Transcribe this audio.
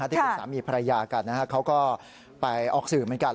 ที่เป็นสามีภรรยากันเขาก็ไปออกสื่อเหมือนกัน